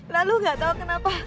lalu gak tau kenapa